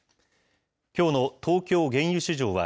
きょうの東京原油市場は、